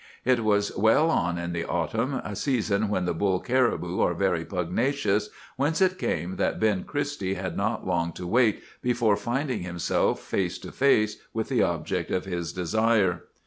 "It was well on in the autumn, a season when the bull caribou are very pugnacious, whence it came that Ben Christie had not long to wait before finding himself face to face with the object of his desire.